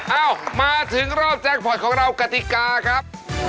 เอ้ามาถึงรอบแจ็คพอร์ตของเรากติกาครับ